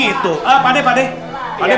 kayaknya sobri gitu